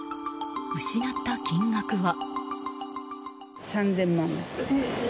失った金額は。